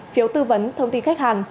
phiếu tư vấn thông tin khách hàng